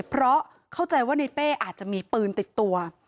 เพราะเข้าใจว่าในเป้อาจจะมีปืนติดตัว